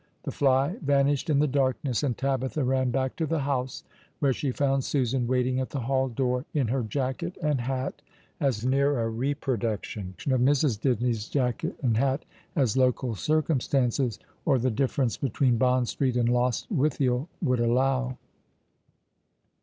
The fly vanished in the darkness, and Tabitha ran back to the house, where she found Susan waiting at the hall door in her jacket and hat, as near a reproduction of Mrs. Disney's jacket and hat as local circumstances — or the difference between Bond Street and Lostwithiel — would allow.